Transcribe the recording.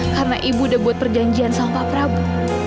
karena ibu udah buat perjanjian sama pak prabu